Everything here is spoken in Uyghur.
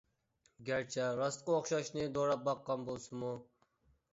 گەرچە راستقا ئوخشاشنى دوراپ باققان بولسىمۇ!